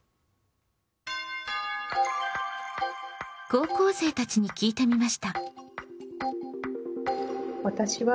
高校生たちに聞いてみました。